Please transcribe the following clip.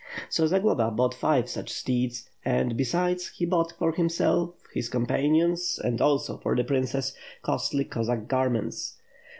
So Zagloba bought five such steeds and, besides, he bought for himself, his companions, and also for the princess, costly Cossack garments.